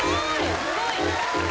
・すごい！